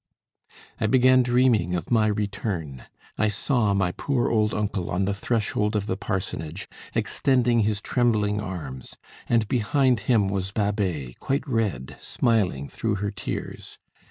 I began dreaming of my return. I saw my poor old uncle on the threshold of the parsonage extending his trembling arms; and behind him was Babet, quite red, smiling through her tears.